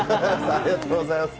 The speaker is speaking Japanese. ありがとうございます。